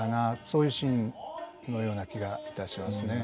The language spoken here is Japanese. そういうシーンのような気がいたしますね。